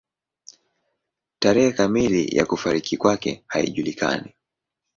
Tarehe kamili ya kufariki kwake haijulikani.